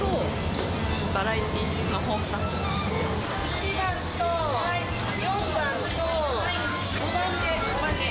１番と４番と５番で。